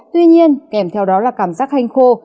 tuy nhiên kèm theo đó là cảm giác hanh khô